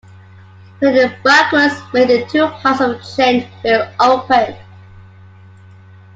Pedalling backwards made the two halves of the chain wheel open.